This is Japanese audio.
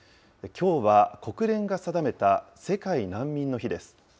きょうは国連が定めた世界難民の日です。